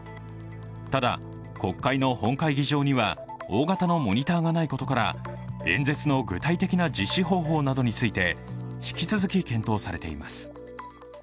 ただ、国会の本会議場には大型のモニターがないことから演説の具体的な実施方法などについて、引き続き検討されています。